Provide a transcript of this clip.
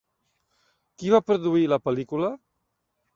Qui va produir la pel·lícula?